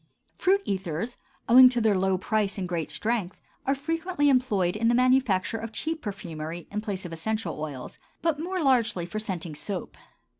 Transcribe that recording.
Fruit ethers, owing to their low price and great strength, are frequently employed in the manufacture of cheap perfumery, in place of essential oils, but more largely for scenting soap.